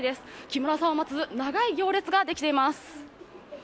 木村さんを待つ長い行列ができています。